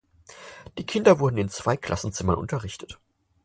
Die Kinder wurden in zwei Klassenzimmern unterrichtet.